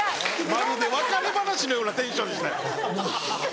まるで別れ話のようなテンションでしたよ「はぁ」。